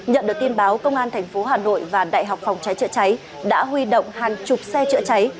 nhận được tin báo công an tp hà nội và đại học phòng cháy chữa cháy đã huy động hàng chục xe chữa cháy